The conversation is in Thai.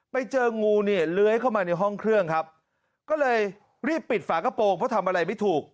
ไปเจองูเนี่ยเลื้อยเข้ามาในห้องเครื่องครับก็เลยรีบปิดฝากระโปรงเพราะทำอะไรไม่ถูก